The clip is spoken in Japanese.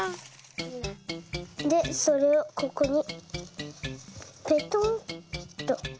でそれをここにペトッと。